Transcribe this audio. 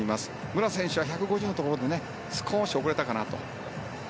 武良選手は１５０のところで少し遅れたかなと。